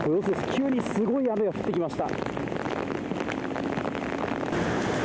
急にすごい雨が降ってきました。